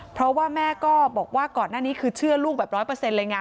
เพราะว่าแม่ก็บอกว่าก่อนหน้านี้คือเชื่อลูกแบบร้อยเปอร์เซ็นต์เลยไง